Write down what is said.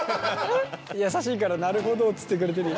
優しいからなるほどっつってくれてる。